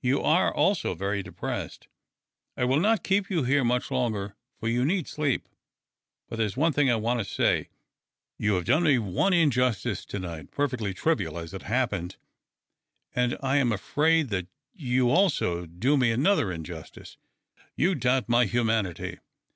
You are also very depressed. I will not keep you here much longer, for you need sleep. But there is one thing I want to say. You have done me one injustice to night (perfectly trivial, as it happened), and I am afraid that you also do me another injustice. You doubt my humanity.